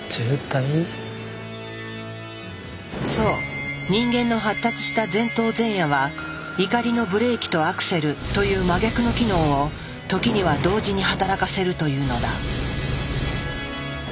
そう人間の発達した前頭前野は怒りのブレーキとアクセルという真逆の機能を時には同時に働かせるというのだ。